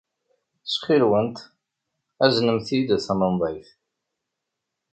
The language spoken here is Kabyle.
Ttxil-went, aznemt-iyi-d tamenḍayt.